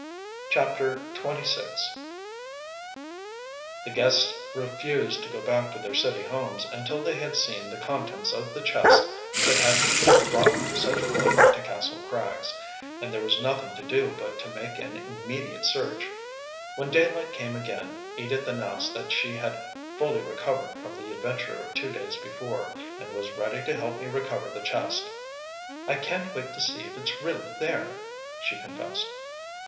CHAPTER XXVI The guests refused to go back to their city homes until they had seen the contents of the chest that had brought such woe to Kastle Krags; and there was nothing to do but to make an immediate search. When daylight came again Edith announced that she had fully recovered from the adventure of two days before, and was ready to help me recover the chest. "I can't wait to see if it's really there," she confessed.